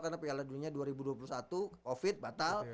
karena piala dunia dua ribu dua puluh satu covid batal